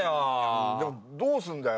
どうすんだよ